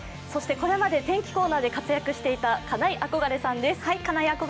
これまで天気コーナーで活躍していました金井憧れさんです。